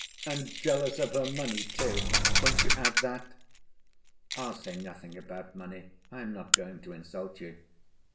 "And jealous of her money, too? Won't you add that?" "I'll say nothing about money. I am not going to insult you."